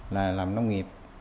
là làm nông nghiệp